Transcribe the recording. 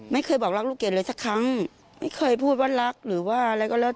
ไม่เคยบอกรักลูกเกดเลยสักครั้งไม่เคยพูดว่ารักหรือว่าอะไรก็แล้ว